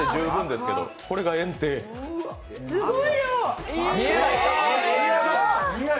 すごい量！